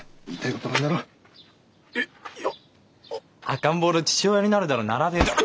赤ん坊の父親になるだのならねえだの。